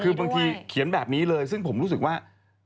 คือบางทีเขียนแบบนี้เลยซึ่งผมรู้สึกว่า